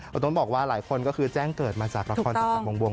เอาตรงนี้บอกว่าหลายคนก็คือแจ้งเกิดมาจากละครต่างบวง